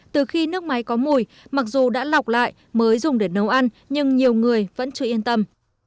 từ khi nước máy có mùi mặc dù đã lọc lại mới dùng để nấu ăn nhưng nhiều người vẫn chưa yên tâm